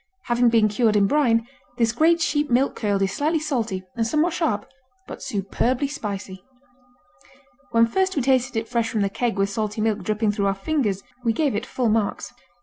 Having been cured in brine, this great sheep milk curd is slightly salty and somewhat sharp, but superbly spicy. When first we tasted it fresh from the keg with salty milk dripping through our fingers, we gave it full marks.